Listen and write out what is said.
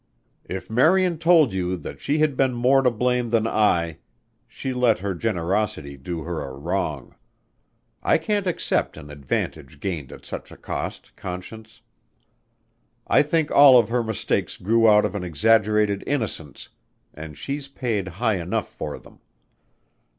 "If Marian told you that she had been more to blame than I, she let her generosity do her a wrong. I can't accept an advantage gained at such a cost, Conscience. I think all of her mistakes grew out of an exaggerated innocence and she's paid high enough for them.